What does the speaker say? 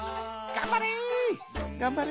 がんばれ。